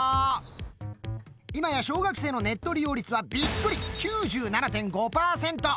今や小学生のネット利用率はびっくり９７．５％！